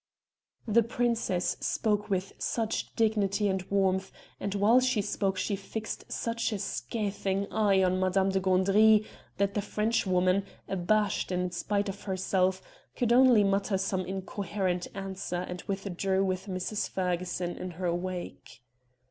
The princess spoke with such dignity and warmth, and while she spoke she fixed such a scathing eye on Madame de Gandry, that the Frenchwoman, abashed in spite of herself, could only mutter some incoherent answer and withdraw with Mrs. Ferguson in her wake.